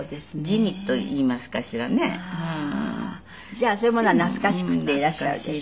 じゃあそういうものは懐かしくていらっしゃるでしょうね。